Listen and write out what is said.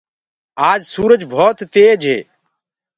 آج سُورج ڀوت تيج هي۔